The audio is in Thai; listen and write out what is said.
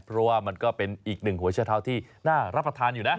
เพราะว่ามันก็เป็นอีกหนึ่งหัวชะเท้าที่น่ารับประทานอยู่นะ